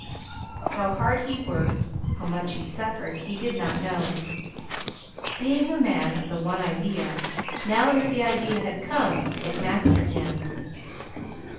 How hard he worked, how much he suffered, he did not know. Being a man of the one idea, now that the idea had come, it mastered him.